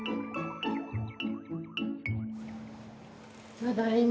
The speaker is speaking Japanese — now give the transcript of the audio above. ただいま。